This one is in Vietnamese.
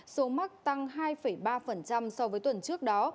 số mắc tăng hai ba so với tuần trước đó